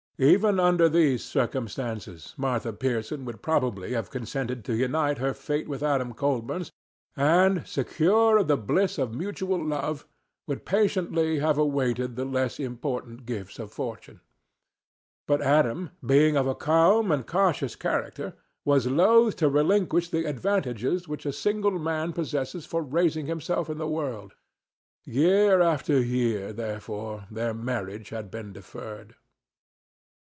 Even under these circumstances Martha Pierson would probably have consented to unite her fate with Adam Colburn's, and, secure of the bliss of mutual love, would patiently have awaited the less important gifts of Fortune. But Adam, being of a calm and cautious character, was loth to relinquish the advantages which a single man possesses for raising himself in the world. Year after year, therefore, their marriage had been deferred.